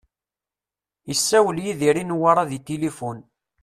Isawel Yidir i Newwara di tilifun.